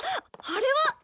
あれは！